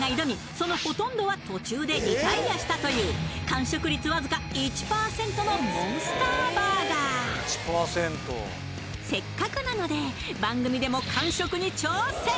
そのほとんどは完食率わずか１％のモンスターバーガーせっかくなので番組でも完食に挑戦！